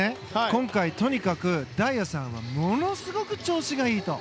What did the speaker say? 今回、とにかく大也さんはものすごく調子がいいと。